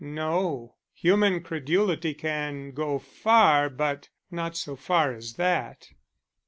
No. Human credulity can go far, but not so far as that.